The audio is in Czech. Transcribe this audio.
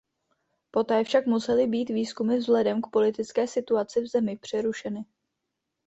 Poté však musely být výzkumy vzhledem k politické situaci v zemi přerušeny.